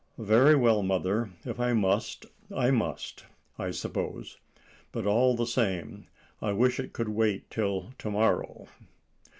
"Very well, mother, if I must I must, I suppose; but, all the same, I wish it could wait till to morrow."